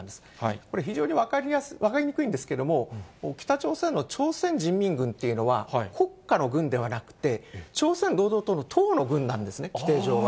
これ、非常に分かりにくいんですけれども、北朝鮮の朝鮮人民軍っていうのは、国家の軍ではなくて、朝鮮労働党の党の軍なんですね、規定上は。